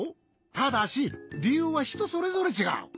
ただしりゆうはひとそれぞれちがう。